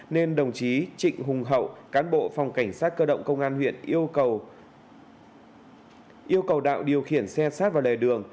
nên đồng chí trịnh hùng hậu cán bộ phòng cảnh sát cơ động công an huyện yêu cầu yêu cầu đạo điều khiển xe sát vào lề đường